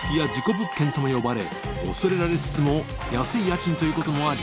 物件とも呼ばれ欧譴蕕譴弔弔安い家賃ということもあり